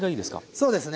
そうですね。